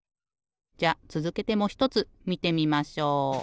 じゃあつづけてもひとつみてみましょう。